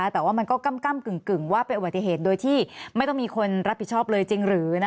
แต่ว่ามันก็ก้ำกึ่งว่าเป็นอุบัติเหตุโดยที่ไม่ต้องมีคนรับผิดชอบเลยจริงหรือ